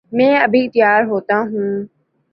میں ابھی تیار ہو تاہوں